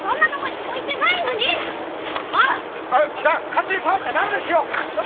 勝手に触っちゃダメですよ！